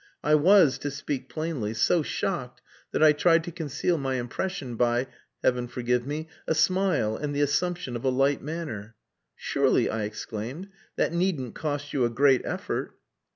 I was, to speak plainly, so shocked that I tried to conceal my impression by Heaven forgive me a smile and the assumption of a light manner. "Surely," I exclaimed, "that needn't cost you a great effort."